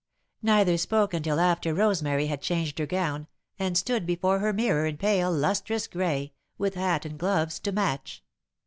Neither spoke until after Rosemary had changed her gown, and stood before her mirror in pale lustrous grey, with hat and gloves to match.